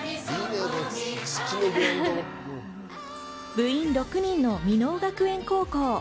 部員６人の箕面学園高校。